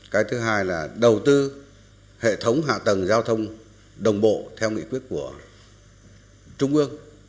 cái thứ hai là đầu tư hệ thống hạ tầng giao thông đồng bộ theo nghị quyết của trung ương